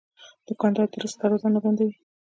دوکاندار د رزق دروازې نه بندوي.